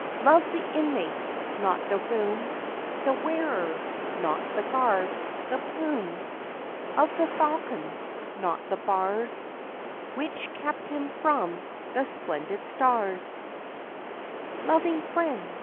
Love the inmate, not the room— The wearer, not the garb—the plume Of the falcon, not the bars Which kept him from the splendid stars; Loving friends!